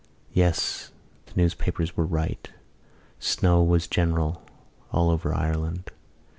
Yes, the newspapers were right: snow was general all over Ireland.